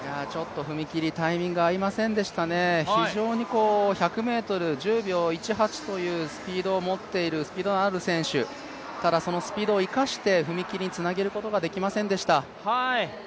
踏み切りタイミング、合いませんでした、１００ｍ１０秒１８というスピードを持っているスピードのある選手、ただそのスピードを生かして踏み切りにつなげることができませんでした。